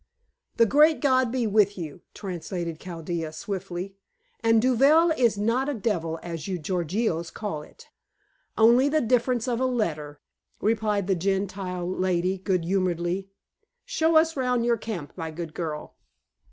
"The Great God be with you," translated Chaldea swiftly, "and duvel is not devil as you Gorgios call it." "Only the difference of a letter," replied the Gentile lady good humoredly. "Show us round your camp, my good girl."